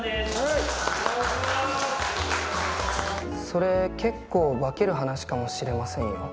それ結構化ける話かもしれませんよ。